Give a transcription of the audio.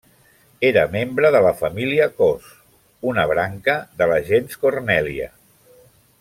Era membre de la família Cos, una branca de la gens Cornèlia.